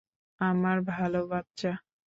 আমার ভাল বাচ্চা।